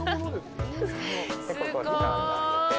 すごい。